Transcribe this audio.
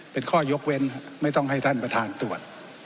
เป็นข้อยกเว้นไม่ต้องให้ท่านประธานตรวจ